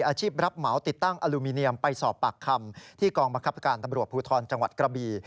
อาชีพรับเหมาติดตั้งอลูมิเนียมไปสอบปากคำที่กองบังคับการตำรวจภูทรจังหวัดกระบี